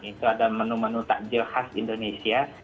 itu ada menu menu takjil khas indonesia